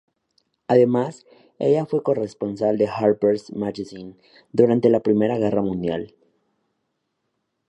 Además, ella fue corresponsal de "Harper's Magazine" durante la Primera Guerra Mundial.